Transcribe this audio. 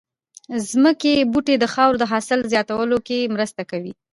ځمکې بوټي د خاورې د حاصل زياتولو کې مرسته کوي